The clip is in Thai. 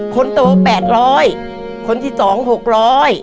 คนโตแปดร้อยคนที่สองหกร้อย